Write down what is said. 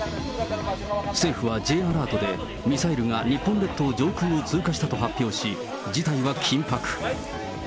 政府はＪアラートで、ミサイルが日本列島上空を通過したと発表し、事態は緊迫。